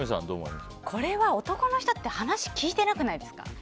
これは、男の人って話聞いてなくないですか？